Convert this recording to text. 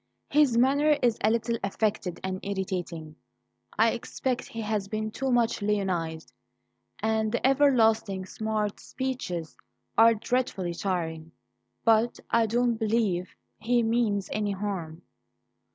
His manner is a little affected and irritating I expect he has been too much lionized and the everlasting smart speeches are dreadfully tiring; but I don't believe he means any harm."